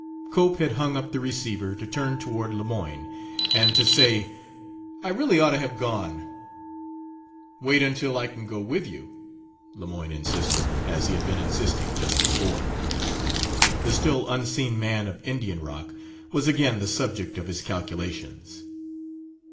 Cope had hung up the receiver to turn toward Lemoyne and to say: "I really ought to have gone." "Wait until I can go with you," Lemoyne insisted, as he had been insisting just before. The still unseen man of Indian Rock was again the subject of his calculations.